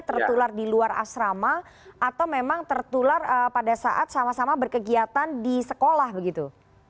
tertular di luar asrama atau memang tertular pada saat sama sama berkegiatan di sekolah begitu